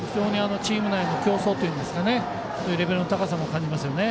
チーム内の競争というかそういうレベルの高さも感じますよね。